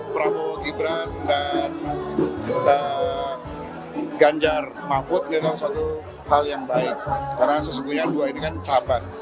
prabowo gibran dan ganjar mahfud memang satu hal yang baik karena sesungguhnya dua ini kan sahabat